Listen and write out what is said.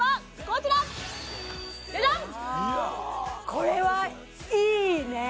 これはいいね！